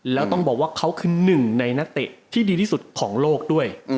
แล้วต้องบอกว่าเขาคือหนึ่งในนักเตะที่ดีที่สุดของโลกด้วย